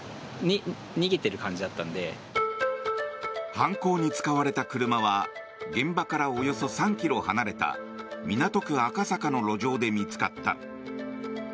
犯行に使われた車は現場からおよそ３ｋｍ離れた港区赤坂の路上で見つかった。